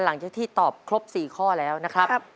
หลังจากที่ตอบครบ๔ข้อแล้วนะครับ